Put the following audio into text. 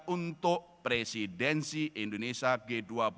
untuk presidensi indonesia g dua puluh dua ribu dua puluh dua